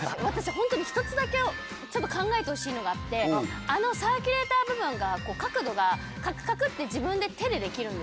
本当に１つだけちょっと考えてほしいのがあってあのサーキュレーター部分が角度がカクカクって自分で手でできるんですよ。